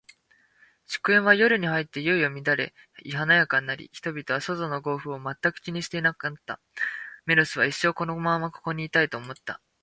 祝宴は、夜に入っていよいよ乱れ華やかになり、人々は、外の豪雨を全く気にしなくなった。メロスは、一生このままここにいたい、と思った。